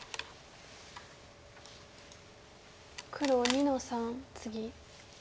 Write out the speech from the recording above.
黒２の三ツギ。